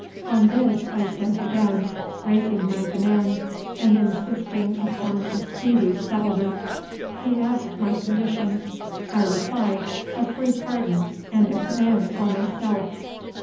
On this I sent again, raising my demands, and insisting upon a speedy settlement. He asked my conditions. I replied, a free pardon and a command for myself.